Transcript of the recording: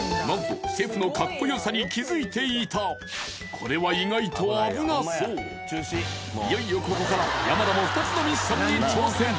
その時何とこれはいよいよここから山田も２つのミッションに挑戦